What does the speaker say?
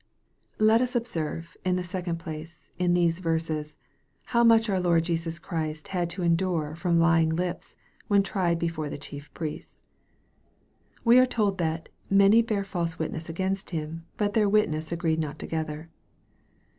Let us observe, in the second place, in these verses, how much our Lord Jesus Christ had to endure from lying lips, when tried before the chief priests. We are told that " many bare false witness against Him ; but their wit ness agreed not together."